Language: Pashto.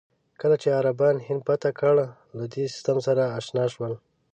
کله چې عربان هند فتح کړل، له دې سیستم سره اشنا شول.